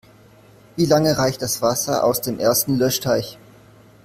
Wie lange reicht das Wasser aus dem ersten Löschteich?